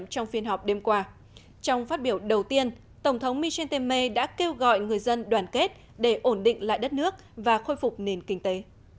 trong phát biểu đầu tiên tổng thống michel temer đã kêu gọi người dân đoàn kết để ổn định lại đất nước và khôi phục nền kinh tế